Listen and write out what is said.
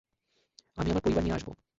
আমি আমার পরিবার নিয়ে আসব।